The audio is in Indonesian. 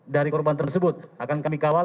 dari korban tersebut akan kami kawal